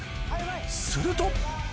すると。